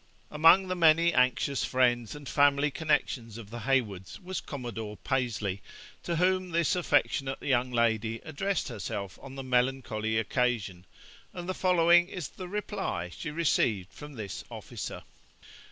Among the many anxious friends and family connexions of the Heywoods, was Commodore Pasley, to whom this affectionate young lady addressed herself on the melancholy occasion; and the following is the reply she received from this officer.